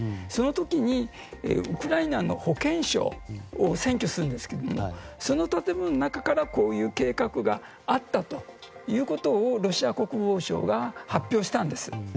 その時にウクライナの保健省を占拠するんですけどもその建物の中からこういう計画があったということをロシア国防省が発表したんです。